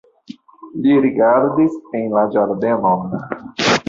Li rigardis en la ĝardenon.